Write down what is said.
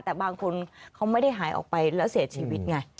แต่บางคนเขาไม่ได้หายออกไปแล้วเสียชีวิตไง